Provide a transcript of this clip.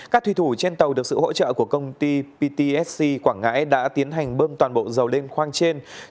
các thủy thủ trên tàu được sự hỗ trợ của công ty ptsc quảng ngãi đã tiến hành bơm toàn bộ dầu lên khoang trên